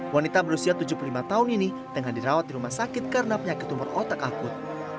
wanita berusia tujuh puluh lima tahun ini tengah dirawat di rumah sakit karena penyakit tumor otak akut